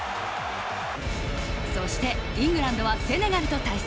そして、イングランドはセネガルと対戦。